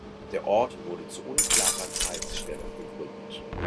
Der Ort wurde zu unklarer Zeitstellung gegründet.